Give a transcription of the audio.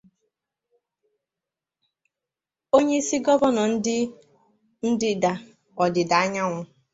onyeisi ndị Gọvanọ ndịda-ọdịda anyanwụ